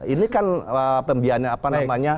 ini kan pembiayaan apa namanya